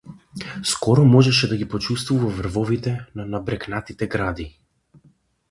Скоро можеше да ги почуствува врвовите на набрекнатите гради.